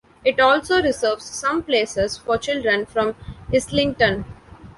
It also reserves some places for children from Islington.